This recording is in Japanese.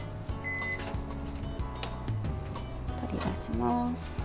取り出します。